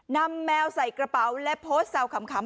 แมวใส่กระเป๋าและโพสต์แซวขำ